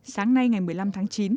sáng nay ngày một mươi năm tháng chín